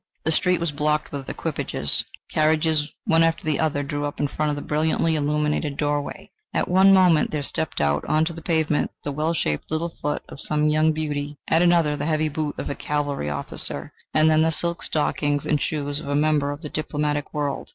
The street was blocked with equipages; carriages one after the other drew up in front of the brilliantly illuminated doorway. At one moment there stepped out on to the pavement the well shaped little foot of some young beauty, at another the heavy boot of a cavalry officer, and then the silk stockings and shoes of a member of the diplomatic world.